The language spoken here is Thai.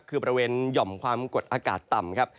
คือบริเวณหย่อมความกดอากาศต่ำครับ